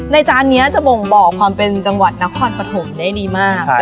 ในจานเนี้ยจะบ่งบอกความเป็นจังหวัดนครผสมได้ดีมากใช่ครับ